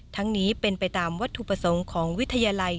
ทั้งนี้เป็นไปตามวัตถุประสงค์ของวิทยาลัย